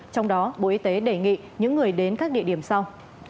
trong đó bộ y tế đề nghị những người đến các địa điểm sau